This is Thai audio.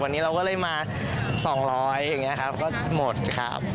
วันนี้เราก็เลยมา๒๐๐อย่างนี้ครับก็หมดครับ